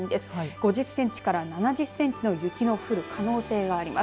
５０センチから７０センチの雪の降る可能性があります。